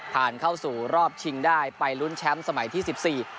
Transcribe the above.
ผ่านเข้าสู่รอบชิงได้ไปลุ้นแชมป์สมัยที่สิบสี่